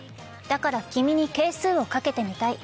だから君に係数をかけてみたい。